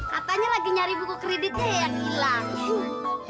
katanya lagi nyari buku kreditnya yang hilang